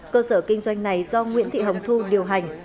cơ sở kinh doanh này do nguyễn thị hồng thu điều hành